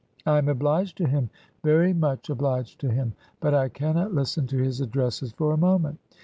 ... I am obliged to him, very much obliged to him, but I cannot listen to his addresses for a moment.